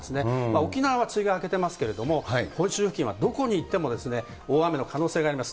沖縄は梅雨が明けてますけれども、本州付近はどこに行っても大雨の可能性があります。